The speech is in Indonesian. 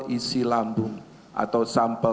isi lambung atau sampel